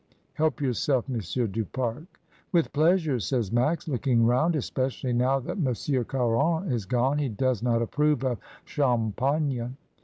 Help yourself. Monsieur du Pare." "With pleasure," says Max, looking round, "especially now that M. Caron is gone. He does ijot approve of champagne."